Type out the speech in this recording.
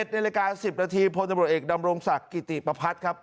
๑๑ในรายการ๑๐นาทีพศดำรงศักดิ์กิติปภัทรครับ